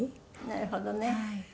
なるほどね。